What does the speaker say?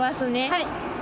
はい。